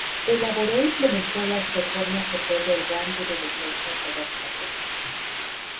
Elaboró e implementó las reformas de Pedro el Grande de la Iglesia ortodoxa rusa.